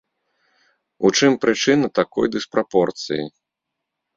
У чым прычына такой дыспрапорцыі?